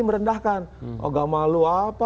merendahkan ogama lo apa